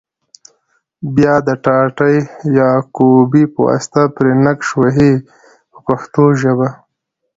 بیا د ټاټې یا کوبې په واسطه پرې نقش وهي په پښتو ژبه.